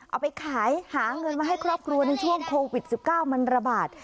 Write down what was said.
เอาไปขายหาเงินมาให้ครอบครัวในช่วงโควิด๑๙มันระบาด